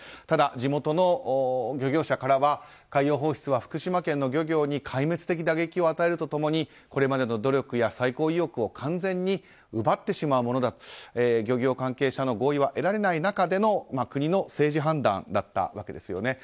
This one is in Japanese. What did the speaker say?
ただ、地元の漁業者からは海洋放出は福島県の漁業に壊滅的な打撃を与えると共にこれまでの努力や再興意欲を完全に奪ってしまうものだと漁業関係者の合意は得られない中での国の政治判断だったわけです。